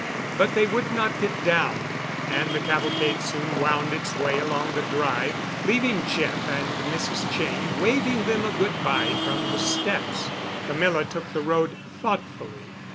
But they would not get down, and the cavalcade soon wound its way along the drive, leaving Jeff and Mrs. Cheyne waving them a good by from the steps. Camilla took the road thoughtfully.